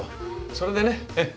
それでね。